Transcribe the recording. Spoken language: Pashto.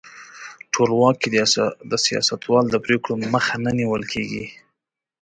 ټولواک کې د سیاستوالو د پرېکړو مخه نه نیول کیږي.